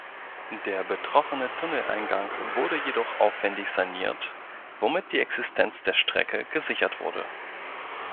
Der betroffene Tunneleingang wurde jedoch aufwändig saniert, womit die Existenz der Strecke gesichert wurde.